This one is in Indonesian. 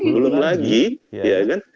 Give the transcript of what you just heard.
belum lagi ya kan